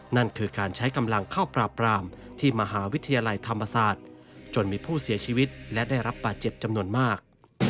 นั่นคือการใช้กำลังเข้าปราบรามที่มหาวิทยาลัยธรรมศาสตร์จนมีผู้เสียชีวิตและได้รับบาดเจ็บจำนวนมาก